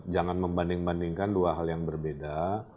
jangan membanding bandingkan dua hal yang berbeda